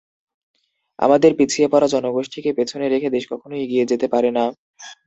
আমাদের পিছিয়ে পড়া জনগোষ্ঠীকে পেছনে রেখে দেশ কখনোই এগিয়ে যেতে পারে না।